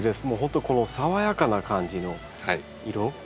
もうほんとこの爽やかな感じの色。